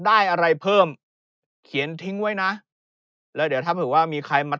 ได้อะไรเพิ่มเขียนทิ้งไว้นะแล้วเดี๋ยวถ้าเผื่อว่ามีใครมา